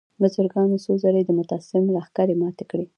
بزګرانو څو ځلې د مستعصم لښکرې ماتې کړې.